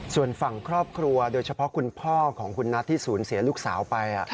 ส่วนฝั่งครอบครัวโดยเฉพาะคุณพ่อของคุณนัทที่สูญเสียลูกสาวไป